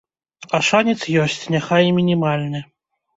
А шанец ёсць, няхай і мінімальны.